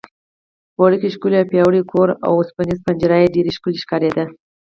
وړوکی، ښکلی او پیاوړی کور و، اوسپنېزه پنجره یې ډېره ښکلې ښکارېده.